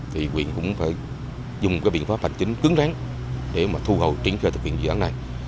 thì quyền cũng phải dùng cái biện pháp hành chính cứng ráng để mà thu hầu triển khai thực hiện dự án này